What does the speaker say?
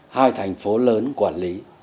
hai thành phố lớn quản lý